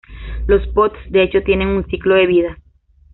Los pods de hecho tienen un ciclo de vida.